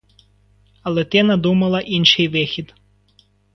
Але ти надумала інший вихід.